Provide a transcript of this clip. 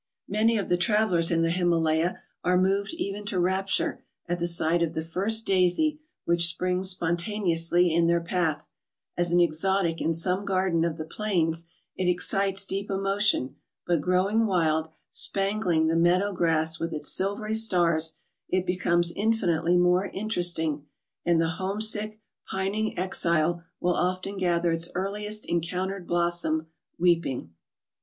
Many of the travellers in the Himalaya are moved even to rapture at the sight of the first daisy which springs spontaneously in their path; as an exotic in some garden of the plains it excites deep emotion; but growing wild, spangling the meadow grass with its silvery stars, it becomes infinitely more interest¬ ing; and the home sick, pining exile will often gather its earliest encountered blossom weeping.